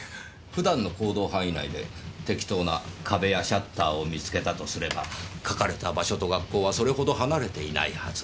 普段の行動範囲内で適当な壁やシャッターを見つけたとすれば描かれた場所と学校はそれほど離れていないはず。